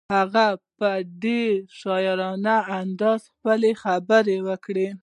هغې په ډېر شاعرانه انداز خپله خبره وکړه.